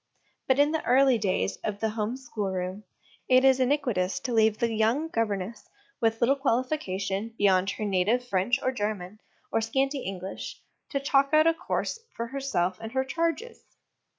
But in the early days of the home schoolroom, it is iniquitous to leave the young gover ness, with little qualification beyond her native French or German, or scanty English, to chalk out a course for herself and her charges.